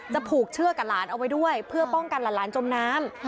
ผูกเชือกกับหลานเอาไว้ด้วยเพื่อป้องกันหลานจมน้ำ